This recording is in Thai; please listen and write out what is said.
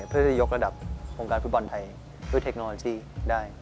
เพื่อจะยกระดับวงการฟุตบอลไทยด้วยเทคโนโลยีได้